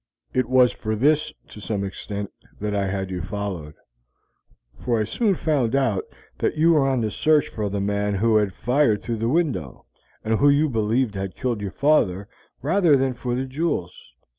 It was for this to some extent that I had you followed; for I soon found out that you were on the search for the man who had fired through the window, and who you believed had killed your father, rather than for the jewels.